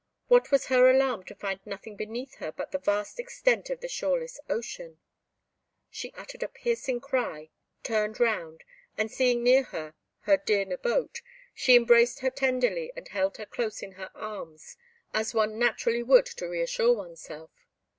What was her alarm to find nothing beneath her but the vast extent of the shoreless ocean. She uttered a piercing cry, turned round, and seeing near her her dear Nabote, she embraced her tenderly and held her close in her arms as one naturally would to re assure oneself.